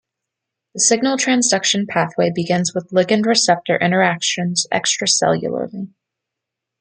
The signal transduction pathway begins with ligand-receptor interactions extracellularly.